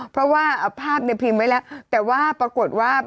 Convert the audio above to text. เพราะว่าเอาภาพในพิมพ์ไว้แล้วแต่ว่าปรากฏว่า